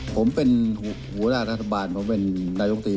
ผมเป็นหัวหน้ารัฐบาลผมเป็นนายกตรี